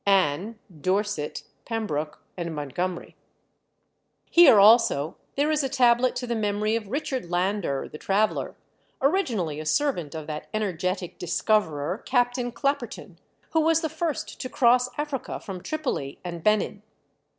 "ANNE, DORSET, PEMBROKE, AND MONTGOMERY." Here also there is a tablet to the memory of Richard Lander, the traveller, originally a servant of that energetic discoverer Captain Clapperton, who was the first to cross Africa from Tripoli and Benin.